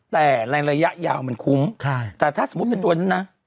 แต่ในระยะยาวมันคุ้มแต่ถ้าสมมุติเป็นตัวนั้นนะ